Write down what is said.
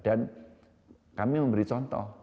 dan kami memberi contoh